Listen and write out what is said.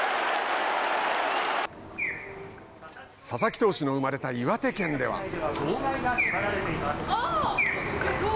佐々木投手の生まれた岩手県では。